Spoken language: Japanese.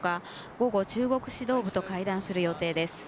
午後、中国指導部と会談する予定です。